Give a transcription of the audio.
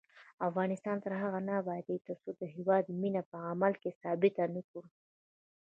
افغانستان تر هغو نه ابادیږي، ترڅو د هیواد مینه په عمل کې ثابته نکړو.